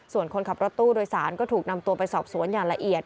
ส่วนคนขับรถตู้โดยสารก็ถูกนำตัวไปสอบสวนอย่างละเอียด